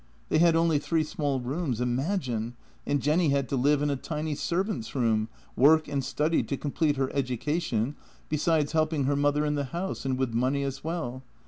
They had only three small rooms, im agine, and Jenny had to live in a tiny servant's room, work and study to complete her education, besides helping her mother in the house and with money as well.